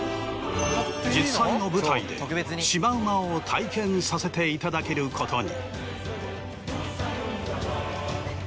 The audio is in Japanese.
実際の舞台でシマウマを体験させていただけることに。